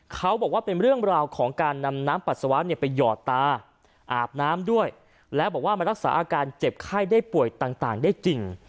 เขาบอกว่าเป็นเรื่องราวของการนำน้ำปัสสาวะไปหยอดตาอาบน้ำด้วยแล้วบอกว่ามารักษาอาการเจ็บไข้ได้ป่วยต่างได้จริง